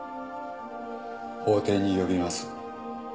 法廷に呼びます